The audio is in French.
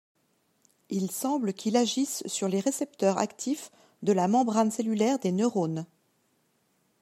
Il semble qu'il agisse sur les récepteurs actifs de la membrane cellulaire des neurones.